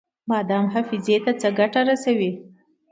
بادام حافظې ته څه ګټه رسوي؟